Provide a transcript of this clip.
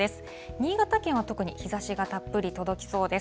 新潟県は特に日ざしがたっぷり届きそうです。